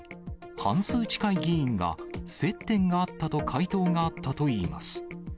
半数近い議員が、接点があったと回答があったといいます。